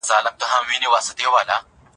ځيني ميندي هم دغه وايي چي د مږور ارمان لرم